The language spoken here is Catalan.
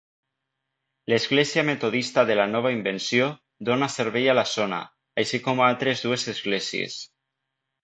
L'Església Metodista de la Nova Invenció dona servei a la zona, així com a altres dues esglésies.